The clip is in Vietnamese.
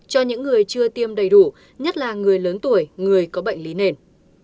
cho những người chưa tiêm đầy đủ nhất là người lớn tuổi người có bệnh lý nền